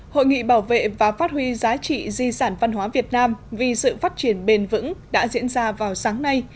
hội nghị bảo vệ và phát huy giá trị di sản văn hóa việt nam vì sự phát triển bền vững đã diễn ra vào sáng nay